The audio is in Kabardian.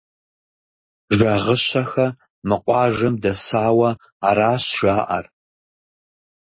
Жагъыщэхэ мы къуажэм дэсауэ аращ жаӀэр.